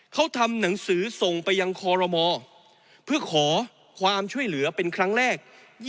เขาทำหนังสือส่งไปยังคอรมอเพื่อขอความช่วยเหลือเป็นครั้งแรก